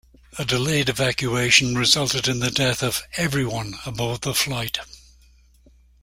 A delayed evacuation resulted in the death of everyone aboard the flight.